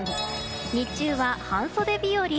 日中は半袖日和。